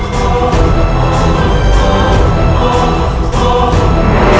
jangan ber akses